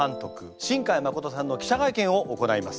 新海誠さんの記者会見を行います。